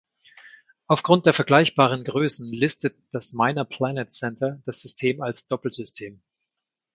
Aufgrund der vergleichbaren Größen listet das Minor Planet Center das System als Doppelsystem.